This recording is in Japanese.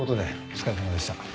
お疲れさまでした。